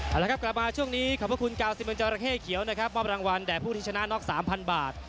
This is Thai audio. เอาละครับกลับมาช่วงนี้ขอบพระคุณกาวซิเมนจอราเข้เขียวนะครับมอบรางวัลแด่ผู้ที่ชนะน็อก๓๐๐บาท